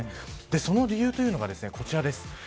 その理由というのがこちらです。